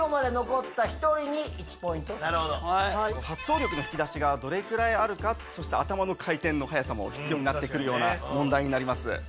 発想力の引き出しがどれくらいあるかそして頭の回転の速さも必要になって来るような問題になります。